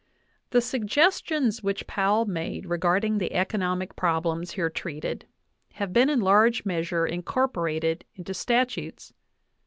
The suggestions which Powell made regarding the economic problems here treated have been in large measure incorporated into statutes.